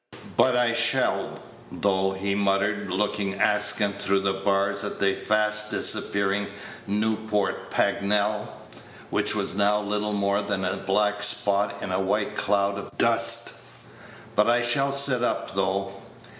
"But I shall, though," he muttered, looking askant through the bars at the fast disappearing Newport Pagnell, which was now little more than a black spot in a white cloud of dust; "but I shall sit up, though.